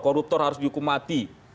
koruptor harus dihukum mati